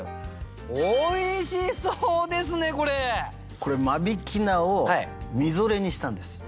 これ間引菜をみぞれにしたんです。